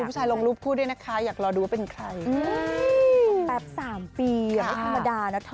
ไม่ลงก็ไม่รู้แล้วว่าใคร